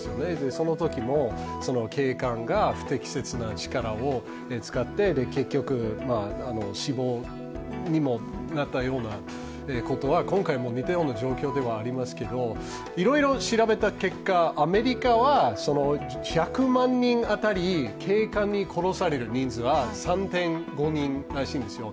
そのときも警官が不適切な力を使って、結局死亡にもなったようなことは今回も似たような状況ではありますけど、いろいろ調べた結果、アメリカは１００万人当たり、警官に殺される確率は３．５人らしいんですよ。